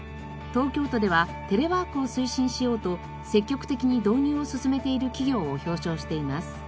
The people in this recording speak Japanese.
東京都ではテレワークを推進しようと積極的に導入を進めている企業を表彰しています。